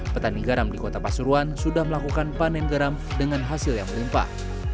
petani garam di kota pasuruan sudah melakukan panen garam dengan hasil yang melimpah